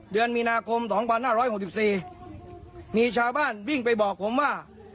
เดือนมีนาคมสองพันหน้าร้อยหกสิบสี่มีชาวบ้านวิ่งไปบอกผมว่า